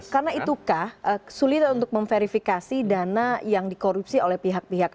karena itukah sulit untuk memverifikasi dana yang dikorupsi oleh pihak pihak